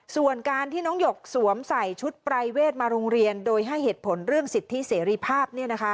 ส่วนการที่น้องหยกสวมใส่ชุดปรายเวทมาโรงเรียนโดยให้เหตุผลเรื่องสิทธิเสรีภาพ